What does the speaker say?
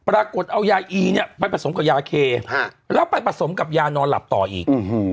ปรากฏเอายาอีเนี่ยไปผสมกับยาเคแล้วไปผสมกับยานอนหลับต่ออีก